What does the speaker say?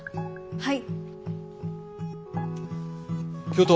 はい。